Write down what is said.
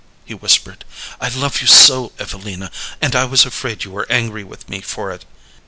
he whispered "I love you so, Evelina, and I was afraid you were angry with me for it."